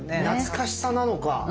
懐かしさなのか。